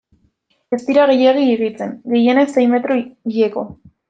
Ez dira gehiegi higitzen, gehienez sei metro hileko.